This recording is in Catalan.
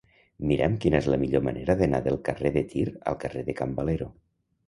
Mira'm quina és la millor manera d'anar del carrer de Tir al carrer de Can Valero.